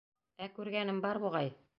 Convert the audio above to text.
Ә күргәнем бар, буғай.